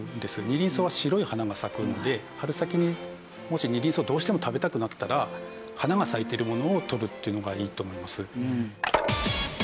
ニリンソウは白い花が咲くので春先にもしニリンソウどうしても食べたくなったら花が咲いてるものを採るっていうのがいいと思います。